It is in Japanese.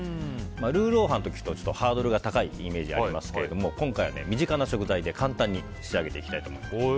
ルーロー飯と聞くとハードルが高いイメージありますけど今回は身近な食材で簡単に仕上げていきたいと思います。